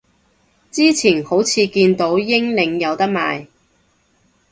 之前好似見到英領有得賣